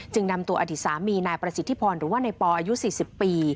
นำตัวอดีตสามีนายประสิทธิพรหรือว่าในปออายุ๔๐ปี